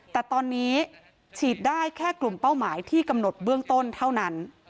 แต่ตอนนี้ฉีดได้แค่กลุ่มเป้าหมายที่กำหนดเบื้องต้นเท่านั้น